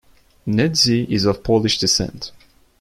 Nedzi is of Polish descent.